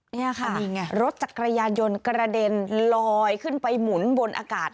นี่ค่ะนี่ไงรถจักรยานยนต์กระเด็นลอยขึ้นไปหมุนบนอากาศ